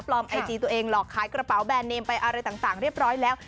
ไอจีตัวเองหลอกขายกระเป๋าแบรนเนมไปอะไรต่างเรียบร้อยแล้ว